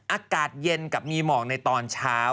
อากาศเย็นกับมีหมอกในตอนเช้า